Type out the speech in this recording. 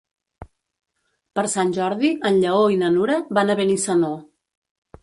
Per Sant Jordi en Lleó i na Nura van a Benissanó.